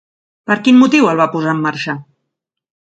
Per quin motiu el va posar en marxa?